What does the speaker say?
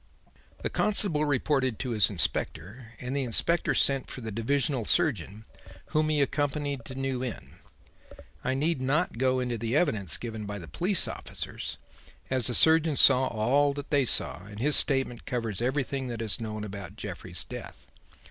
"The constable reported to his inspector and the inspector sent for the divisional surgeon, whom he accompanied to New Inn. I need not go into the evidence given by the police officers, as the surgeon saw all that they saw and his statement covers everything that is known about Jeffrey's death.